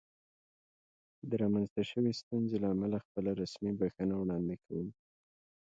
د رامنځته شوې ستونزې له امله خپله رسمي بښنه وړاندې کوم.